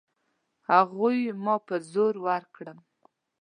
هغوی ما په زور ورکړم.